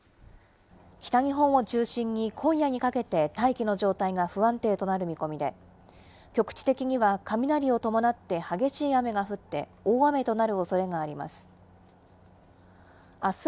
北日本を中心に今夜にかけて大気の状態が不安定となる見込みで、局地的には雷を伴って激しい雨が降って大雨となるおそれがあります。